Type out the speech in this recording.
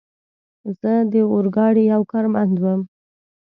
زه د اورګاډي یو کارمند ووم.